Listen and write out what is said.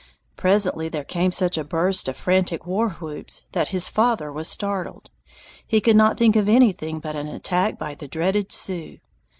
Presently there came such a burst of frantic warwhoops that his father was startled. He could not think of anything but an attack by the dreaded Sioux.